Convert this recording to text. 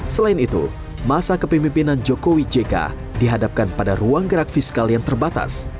selain itu masa kepemimpinan jokowi jk dihadapkan pada ruang gerak fiskal yang terbatas